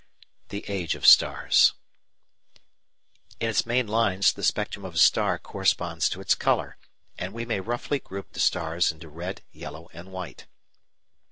The Age of Stars In its main lines the spectrum of a star corresponds to its colour, and we may roughly group the stars into red, yellow, and white.